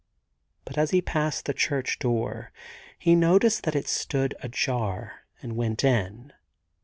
But as he passed the church door he noticed that it stood ajar, and went in.